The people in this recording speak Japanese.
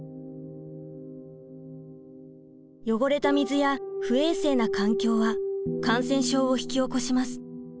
汚れた水や不衛生な環境は感染症を引き起こします。